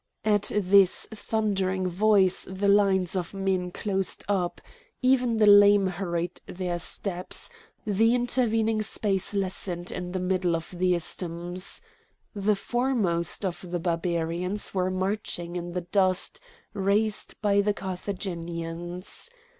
At this thundering voice the lines of men closed up; even the lame hurried their steps; the intervening space lessened in the middle of the isthmus. The foremost of the Barbarians were marching in the dust raised by the Carthaginians.